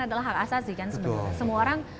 adalah hak asas sih kan sebenarnya semua orang